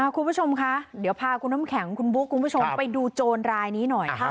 คุณผู้ชมคะเดี๋ยวพาคุณน้ำแข็งคุณบุ๊คคุณผู้ชมไปดูโจรรายนี้หน่อยค่ะ